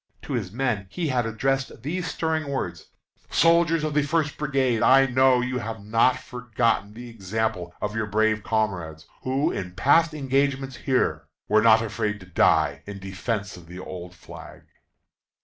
To his men he had addressed these stirring words: "Soldiers of the First Brigade! I know you have not forgotten the example of your brave comrades, who, in past engagements here, were not afraid to die in defence of the old flag."